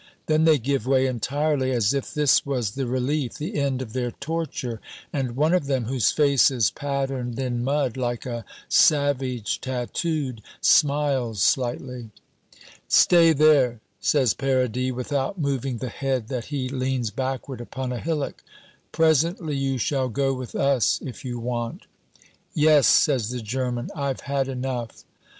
Then they give way entirely, as if this was the relief, the end of their torture; and one of them whose face is patterned in mud like a savage tattooed, smiles slightly. "Stay there," says Paradis, without moving the head that he leans backward upon a hillock; "presently you shall go with us if you want." "Yes," says the German, "I've had enough."